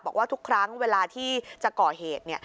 บอกว่าทุกครั้งเวลาที่จะก่อเหตุ